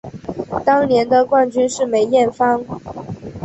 当年的冠军是梅艳芳。